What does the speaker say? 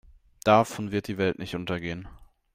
Davon wird die Welt nicht untergehen.